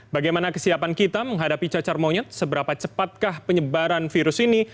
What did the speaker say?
bagaimana kesiapan kita menghadapi cacar monyet seberapa cepatkah penyebaran virus ini